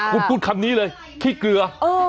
คุณพูดคำนี้เลยขี้เกลือ